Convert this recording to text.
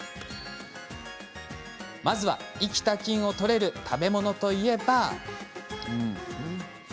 まずは、生きた菌をとれる食べ物といえば。